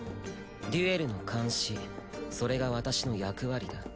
デュエルの監視それが私の役割だ。